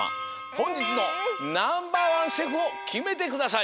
ほんじつのナンバーワンシェフをきめてください。